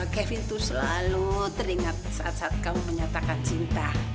kevin itu selalu teringat saat saat kamu menyatakan cinta